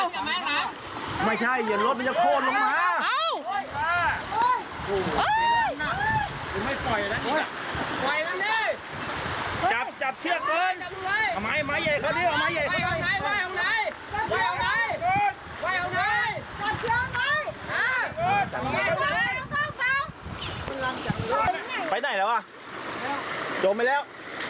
ไปไหนแล้วโดนไปแล้ว